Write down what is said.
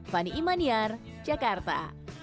fani imaniar jakarta